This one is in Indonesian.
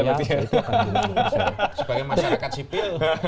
hahaha sebagai masyarakat sipil